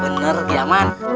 bener ya man